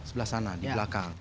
sebelah sana di belakang